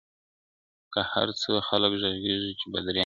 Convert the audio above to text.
که هر څو خلګ ږغېږي چي بدرنګ یم.